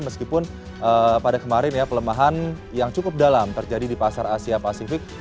meskipun pada kemarin ya pelemahan yang cukup dalam terjadi di pasar asia pasifik